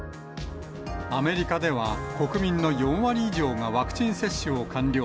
アメリカでは、国民の４割以上がワクチン接種を完了。